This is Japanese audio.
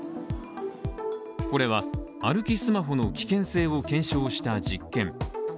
これは歩きスマホの危険性を検証した実験。